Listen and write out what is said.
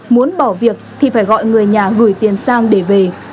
muốn bỏ việc thì phải gọi người nhà gửi tiền sang để về